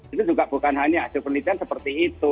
itu juga bukan hanya hasil penelitian seperti itu